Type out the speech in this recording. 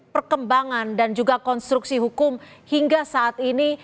perkembangan dan juga konstruksi hukum hingga saat ini